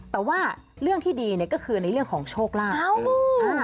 แต่ว่าเรื่องที่ดีเนี่ยก็คือในเรื่องของโชคลาภ